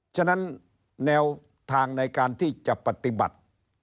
ฉะนั้นแนวทางในการที่จะปฏิบัติ